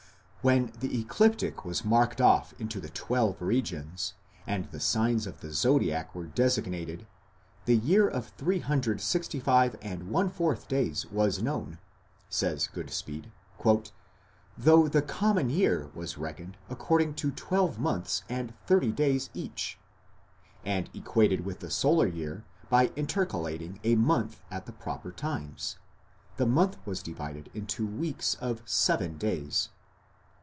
When "the ecliptic was marked off into the twelve regions" and the signs of the Zodiac were designated, "the year of three hundred sixty five and one fourth days was known", says Goodspeed, "though the common year was reckoned according to twelve months of thirty days each, and equated with the solar year by intercalating a month at the proper times.... The month was divided into weeks of seven days....